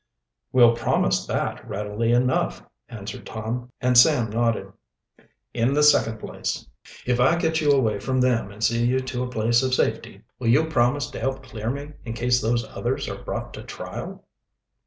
"We'll promise that readily enough," answered Tom, and Sam nodded. "In the second place, if I get you away from them and see you to a place of safety, will you promise to help clear me in case those others are brought to trial?"